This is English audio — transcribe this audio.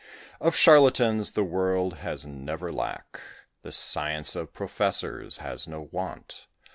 Of Charlatans the world has never lack: This science of professors has no want.